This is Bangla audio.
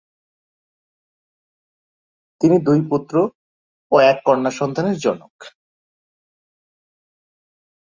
তিনি দুই পুত্র ও এক কন্যা সন্তানের জনক।